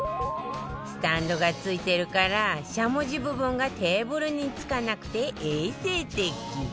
スタンドが付いてるからしゃもじ部分がテーブルにつかなくて衛生的